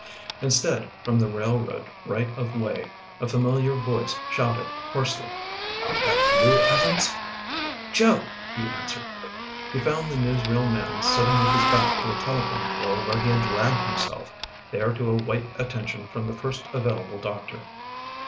Instead, from the railroad right of way, a familiar voice shouted hoarsely: "That you, Evans?" "Joe!" he answered. He found the newsreel man sitting with his back to a telephone pole where he had dragged himself, there to await attention from the first available doctor.